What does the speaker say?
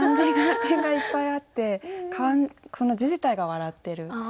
点がいっぱいあってその字自体が笑ってる。